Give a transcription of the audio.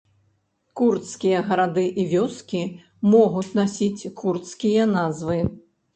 Курдскія гарады і вёскі могуць насіць курдскія назвы.